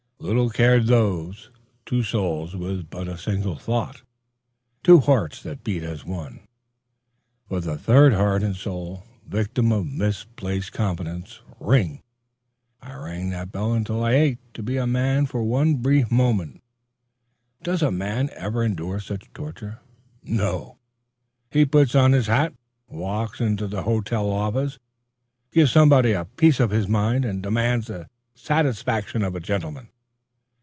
Little cared those "two souls with but a single thought, two hearts that beat as one," for the third heart and soul, victim of misplaced confidence. Ring! I rang that bell until I ached to be a man for one brief moment. Does a man ever endure such torture? No. He puts on his hat, walks into the hotel office, gives somebody a piece of his mind, and demands the satisfaction of a gentleman.